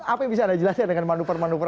apa yang bisa anda jelaskan dengan manuver manuver